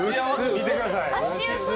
見てください。